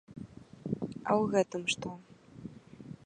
А ў гэтым што?